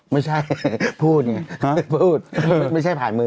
ไม่ใช่พูดไม่ใช่ผ่านมือ